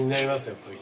やっぱり。